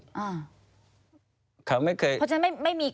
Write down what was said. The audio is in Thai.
แล้วเขาสร้างเองว่าห้ามเข้าใกล้ลูก